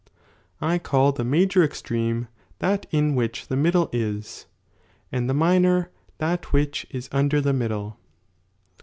I call the major extreme thu in which the middle is, and the minor that .,1 uiT(n. ^d which is under the middle.